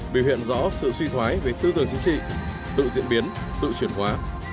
biểu hiện rõ sự suy thoái về tư tưởng chính trị tự diễn biến tự chuyển hóa